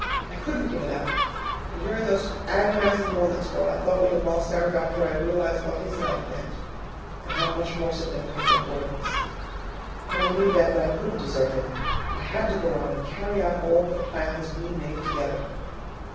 I couldn't give it up, and during those agonizing moments while I thought we had lost our doctor, I realized what his life meant, and how much more significant than Gordon's. And I knew then that I couldn't desert him. I had to go on and carry out all of the plans we made together.